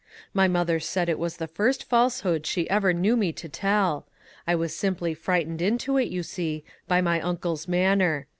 My mother said it was the first falsehood she ever knew me to tell. I was sim ply frightened into it, you see, by my uncle's manner.